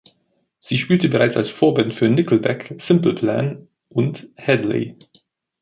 Sie spielte bereits als Vorband für Nickelback, Simple Plan und Hedley.